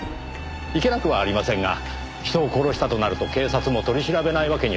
いけなくはありませんが人を殺したとなると警察も取り調べないわけにはいけません。